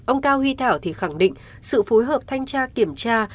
ông cao huy thảo thì khẳng định sự phối hợp thanh tra kiểm tra